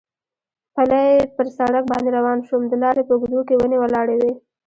پلی پر سړک باندې روان شوم، د لارې په اوږدو کې ونې ولاړې وې.